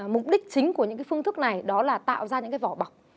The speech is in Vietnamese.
mục đích chính của những phương thức này đó là tạo ra những vỏ bọc